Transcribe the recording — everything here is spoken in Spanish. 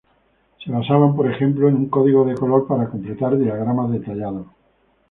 Se basaban, por ejemplo, en un código de color para completar diagramas detallados.